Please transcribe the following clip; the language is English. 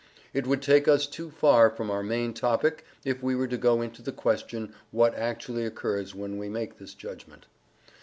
It would take us too far from our main topic if we were to go into the question what actually occurs when we make this judgment.